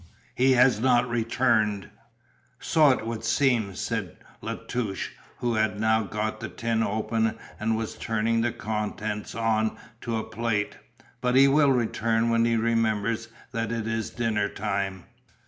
He has not returned " "So it would seem," said La Touche, who had now got the tin open and was turning the contents on to a plate. "But he will return when he remembers that it is dinner time."